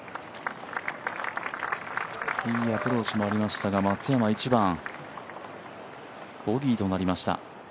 いいアプローチもありましたが、松山１番、ボギーとなりました。